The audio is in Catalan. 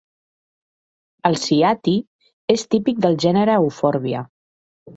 El ciati és típic del gènere eufòrbia.